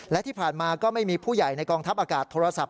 และที่ผ่านมาก็ไม่มีผู้ใหญ่ในกองทัพอากาศโทรศัพท์